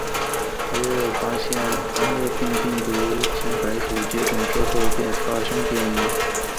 他又发现黄热病病毒经白鼠接种之后便发生变异。